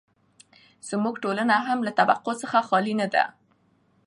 زموږ ټولنه هم له طبقو څخه خالي نه ده.